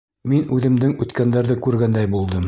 Мин үҙемдең үткәндәрҙе күргәндәй булдым.